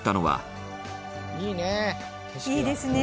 羽田：いいですね。